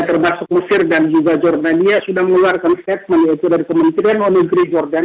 termasuk mesir dan juga jurnania sudah mengeluarkan statement yaitu dari kementerian unigri jordan